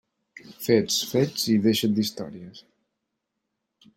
Fets, fets, i deixa't d'històries.